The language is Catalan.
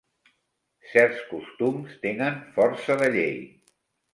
Certs costums tenen força de llei.